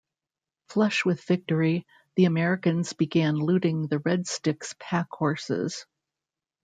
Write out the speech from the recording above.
Flush with victory, the Americans began looting the Red Sticks' pack-horses.